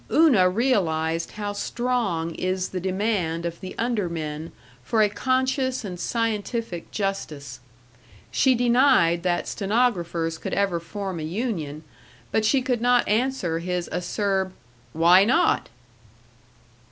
Una realized how strong is the demand of the undermen for a conscious and scientific justice. She denied that stenographers could ever form a union, but she could not answer his acerb, "Why not?"